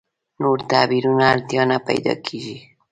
نور تعبیرونو اړتیا نه پیدا کېږي.